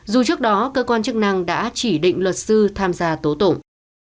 dù trước đó cơ quan chức năng đã chỉ định luật sư tham gia tố tụng